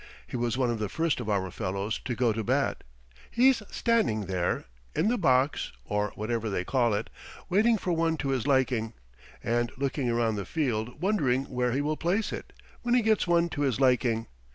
He was one of the first of our fellows to go to bat. He's standing there in the box, or whatever they call it, waiting for one to his liking; and looking around the field wondering where he will place it when he gets one to his liking.